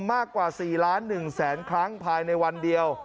มากกว่า๔ล้าน๑แสนครั้งภายในวันเดียว